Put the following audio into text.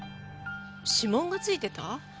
指紋がついてた？